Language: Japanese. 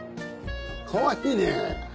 かわいいね！